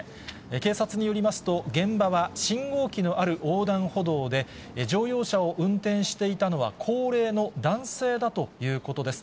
警察によりますと、現場は信号機のある横断歩道で、乗用車を運転していたのは高齢の男性だということです。